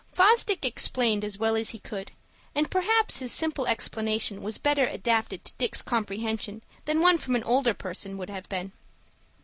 Fosdick explained as well as he could, and perhaps his simple explanation was better adapted to Dick's comprehension than one from an older person would have been.